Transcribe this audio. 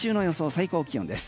最高気温です。